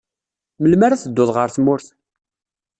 Melmi ara teddud ɣer tmurt?